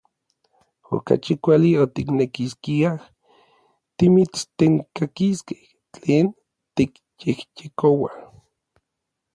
Okachi kuali otiknekiskiaj timitstenkakiskej tlen tikyejyekoua.